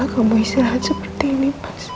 aku masih di tempatmu